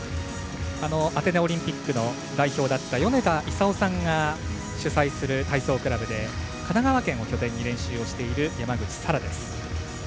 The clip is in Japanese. アテネオリンピックの代表だった米田功さんが主宰する体操クラブで神奈川県を拠点に練習をしている山口幸空です。